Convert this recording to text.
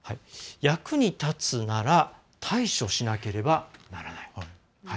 役に立つなら対処しなければならない。